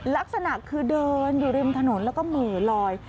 ลักษณะคือเดินอยู่ริมถนนแล้วก็เหมือลอย